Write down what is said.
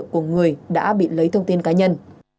của người đã bị lấy thông tin cá nhân